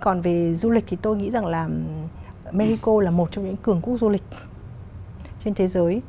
còn về du lịch thì tôi nghĩ rằng là mexico là một trong những cường quốc du lịch trên thế giới